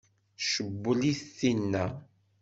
Tcewwel-it tinna?